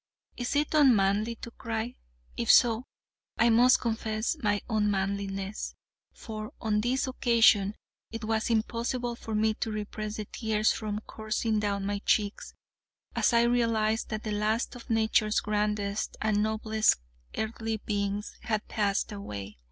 Is it unmanly to cry? If so, I must confess my unmanliness, for on this occasion it was impossible for me to repress the tears from coursing down my cheeks, as I realized that the last of nature's grandest and noblest earthly beings had passed away.